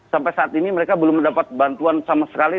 sampai saat ini mereka belum mendapat bantuan sama sekali